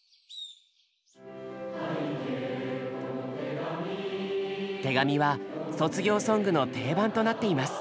「拝啓この手紙」「手紙」は卒業ソングの定番となっています。